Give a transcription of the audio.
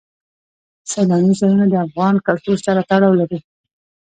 سیلانی ځایونه د افغان کلتور سره تړاو لري.